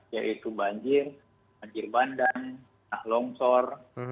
yaitu banjir banjir bandan nahlong sor